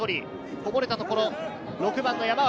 こぼれたところ、６番の山脇。